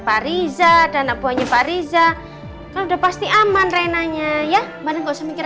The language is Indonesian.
pak riza dan abu hanya pak riza kalau udah pasti aman renanya ya mbak enggak usah mikir